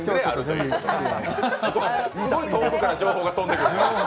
すごい遠くから情報が飛んでくる。